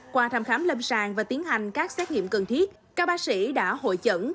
qua thăm khám lâm sàng và tiến hành các xét nghiệm cần thiết các bác sĩ đã hội chẩn